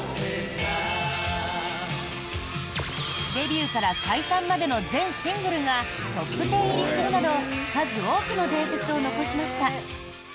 デビューから解散までの全シングルがトップ１０入りするなど数多くの伝説を残しました。